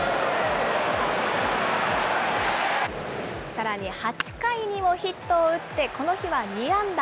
さらに８回にもヒットを打って、この日は２安打。